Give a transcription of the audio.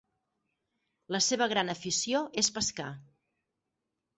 La seva gran afició és pescar.